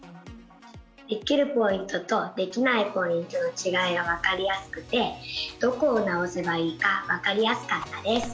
できるポイントとできないポイントのちがいが分かりやすくてどこを直せばいいか分かりやすかったです。